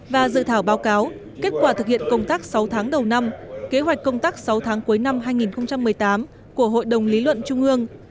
và dự thảo báo cáo kết quả thực hiện công tác sáu tháng đầu năm kế hoạch công tác sáu tháng cuối năm hai nghìn một mươi tám của hội đồng lý luận trung ương